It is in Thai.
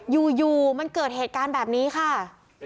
อยู่มันเกิดเหตุการณ์แบบนี้ค่ะ